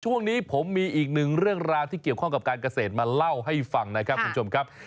ช่วงนี้ผมมีอีกหนึ่งเรื่องราวที่เกี่ยวข้องกับการเกษตรมาเล่าให้ฟังนะครับคุณผู้ชมครับ